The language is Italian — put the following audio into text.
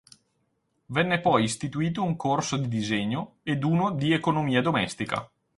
Venne poi istituito un corso di disegno ed uno di economia domestica.